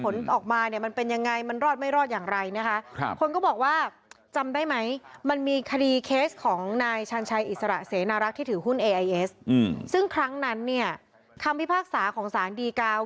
ตอนแรกเขาถูกตัดสินถูกไหมคะ